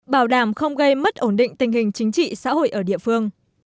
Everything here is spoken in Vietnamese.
bảo đảm không gây mất ổn định tình hình chính trị xã hội ở địa phương